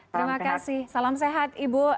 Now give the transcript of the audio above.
terima kasih salam sehat ibu